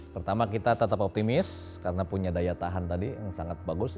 pertama kita tetap optimis karena punya daya tahan tadi yang sangat bagus